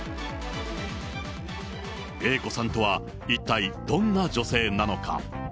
Ａ子さんとは一体どんな女性なのか。